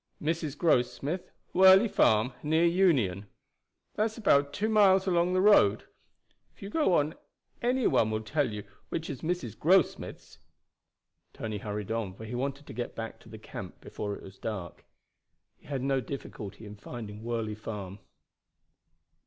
"Mrs. Grossmith, Worley Farm, near Union. That's about two miles along the road. If you go on any one will tell you which is Mrs. Grossmith's." Tony hurried on, for he wanted to get back to the camp before it was dark. He had no difficulty in finding Worley Farm.